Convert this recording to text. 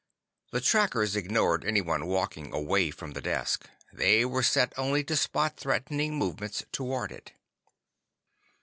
The trackers ignored anyone walking away from the desk; they were set only to spot threatening movements toward it.